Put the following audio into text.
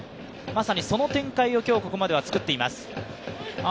まさにその展開を今日、作っています。